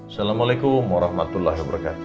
assalamualaikum warahmatullahi wabarakatuh